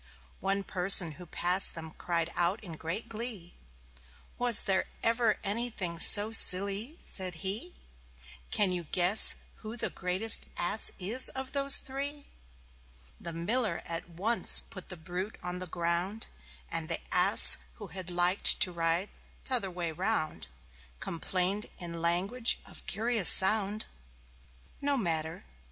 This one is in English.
One person who passed them cried out in great glee. "Was there anything ever so silly?" said he. "Can you guess who the greatest Ass is of those three?" The Miller at once put the brute on the ground; And the Ass, who had liked to ride t'other way round, Complained in language of curious sound. No matter.